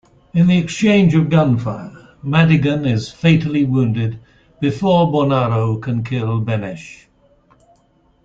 In the exchange of gunfire, Madigan is fatally wounded before Bonaro can kill Benesch.